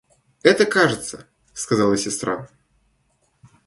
— Это кажется, — сказала сестра.